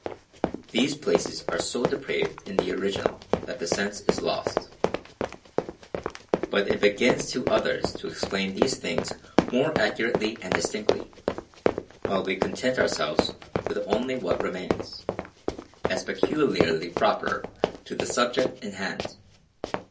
[These places are so depraved in the original, that the sense is lost.] But it belongs to others to explain these things more ac curately and distinctly ; while we content ourselves with only what remains, as peculiarly proper to the subject in hand.